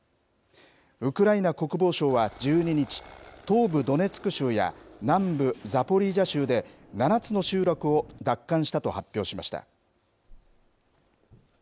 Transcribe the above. ウクライナ国防省は１２日、東部ドネツク州や南部ザポリージャ州で、７つの集落を奪還したと発表しました。